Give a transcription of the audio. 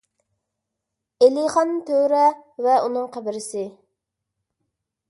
ئېلىخان تۆرە ۋە ئۇنىڭ قەبرىسى